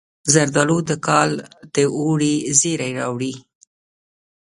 زردالو د کال د اوړي زیری راوړي.